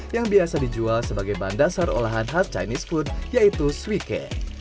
yang biasa dijual sebagai bandasar olahan khas chinese food yaitu suike